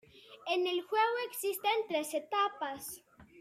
En el juego existen tres etapas.